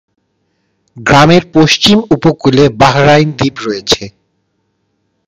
গ্রামের পশ্চিম উপকূলে বাহরাইন দ্বীপ রয়েছে।